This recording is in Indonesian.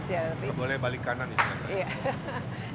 tidak boleh balik kanan ya